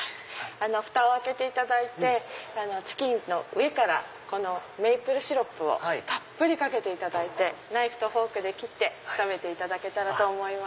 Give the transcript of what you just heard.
フタを開けていただいてチキンの上からこのメープルシロップをたっぷりかけていただいてナイフとフォークで切って食べていただけたらと思います。